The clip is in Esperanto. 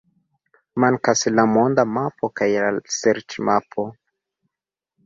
Mankas la monda mapo kaj la serĉmapo.